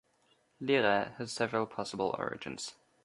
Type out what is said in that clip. Lehrer has several possible origins.